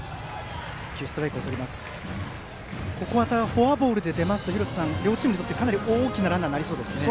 またフォアボールで出ますと、両チームにとってかなり大きなランナーになりそうですね。